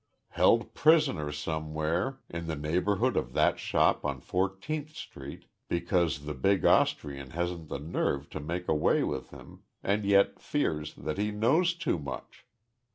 "Held prisoner somewhere in the neighborhood of that shop on Fourteenth Street, because the big Austrian hasn't the nerve to make away with him and yet fears that he knows too much!